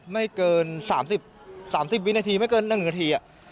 ไม่เกิน๓๐๓๐วินาทีไม่เกิน๑นาที